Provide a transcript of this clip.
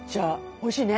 おいしいね。